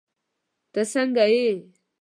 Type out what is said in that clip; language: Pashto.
تہ سنګه یی